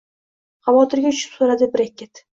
xavotirga tushib so`radi Brekket